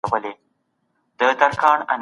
ماشومان باید یوازې د ازموینې لپاره درس ونه وايي.